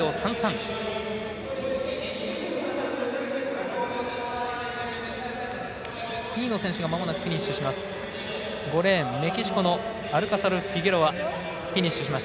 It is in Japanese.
２位の選手がフィニッシュします。